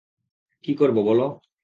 কী করবো বলো।